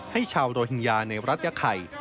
ให้ชาวโรฮิงญาในรัฐยาไข่